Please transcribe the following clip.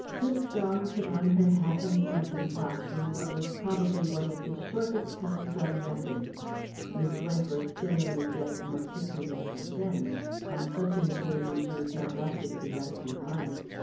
Miss Strong put on her hat and mackintosh in what was probably one of the shortest times on record. Miss Wentworth generally dressed more quickly than her friend; on such an occasion she was not likely to be left behind.